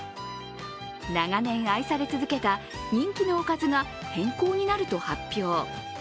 長年愛され続けた人気のおかずが変更になると発表。